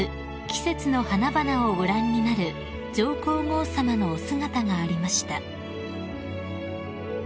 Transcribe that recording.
季節の花々をご覧になる上皇后さまのお姿がありました］